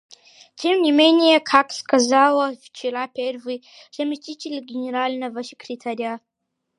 Тем не менее, как сказала вчера первый заместитель Генерального секретаря,.